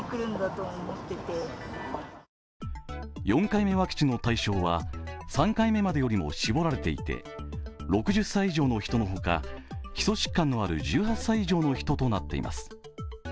４回目ワクチンの対象は３回目までよりも絞られていて６０歳以上の人のほか基礎疾患のある１８歳以上の人となっています。